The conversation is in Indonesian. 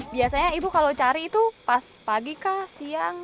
biasanya ibu kalau cari itu pas pagi kah siang